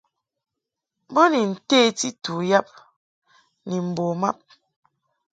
Bo ni nteti ni tu yab ni mbo mab.